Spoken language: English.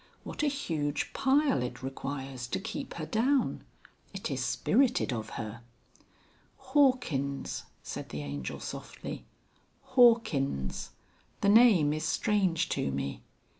What a huge pile it requires to keep her down.... It is spirited of her." "Hawkins?" said the Angel softly,.... "Hawkins? The name is strange to me....